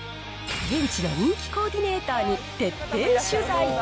現地の人気コーディネーターに徹底取材。